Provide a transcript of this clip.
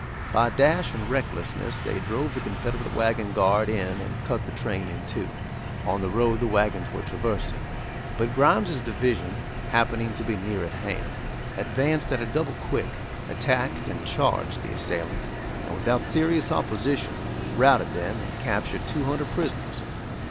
By dash and recklessness they drove the Confederate wagon guard in and cut the train in two, on the road the wagons were traversing, but Grimes' division, happening to be near at hand, advanced at a double quick, attacked and charged the assailants, and without serious opposition routed them and captured two hundred prisoners.